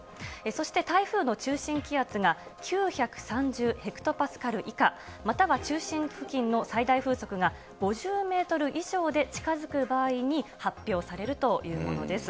そして台風の中心気圧が９３０ヘクトパスカル以下、または中心付近の最大風速が５０メートル以上で近づく場合に発表されるというものです。